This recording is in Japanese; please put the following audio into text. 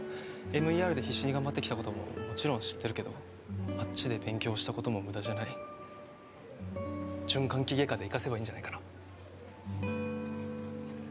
ＭＥＲで必死に頑張ってきたことももちろん知ってるけどあっちで勉強したことも無駄じゃない循環器外科で生かせばいいんじゃないかな